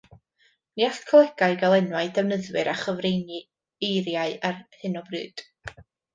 Ni all colegau gael enwau defnyddwyr a chyfrineiriau ar hyn o bryd